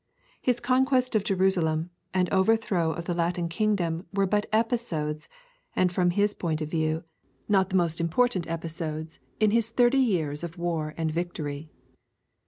His conquest of Jerusalem and overthrow of the Latin kingdom were but episodes, and from his point of view, not the most important episodes in his thirty years of war and victory.